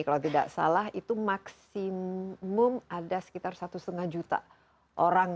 kalau tidak salah itu maksimum ada sekitar satu lima juta orang